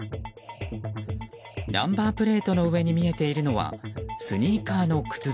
ナンバープレートの上に見えているのはスニーカーの靴底。